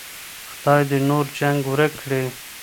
خداي دې نور جنګ ورک کړي.